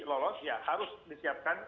lolos ya harus disiapkan